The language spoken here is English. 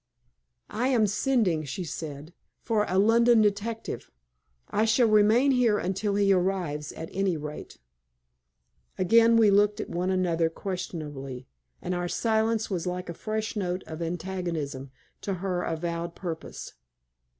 "I am sending," she said, "for a London detective. I shall remain here until he arrives, at any rate." Again we looked at one another questioningly, and our silence was like a fresh note of antagonism to her avowed purpose.